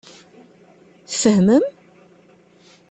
Tfehmem?